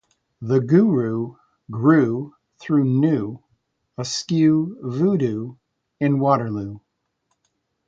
The guru grew through new, askew voodoo in Waterloo.